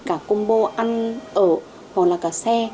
cả combo ăn ở hoặc là cả xe